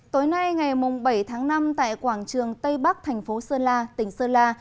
tối nay ngày bảy tháng năm tại quảng trường tây bắc thành phố sơn la tỉnh sơn la